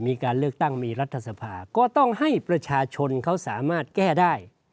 มีการเลือกตั้งมีรัฐสภาก็ต้องให้ประชาชนเขาสามารถแก้ได้